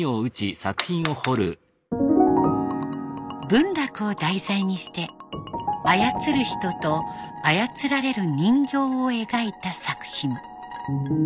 文楽を題材にして操る人と操られる人形を描いた作品。